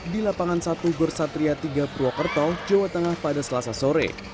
di lapangan satu gorsatria tiga purwokerto jawa tengah pada selasa sore